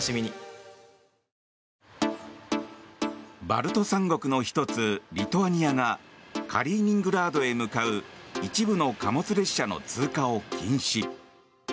バルト三国の１つリトアニアがカリーニングラードへ向かう一部の貨物列車の通過を禁止。